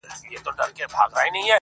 چي د خلکو یې لوټ کړي وه مالونه،